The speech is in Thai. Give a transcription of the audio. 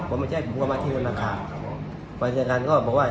ผมก็มาที่ธนาคาร